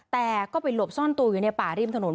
แต่ก็ไปหลบซ่อนตัวอยู่ในป่าริมถนน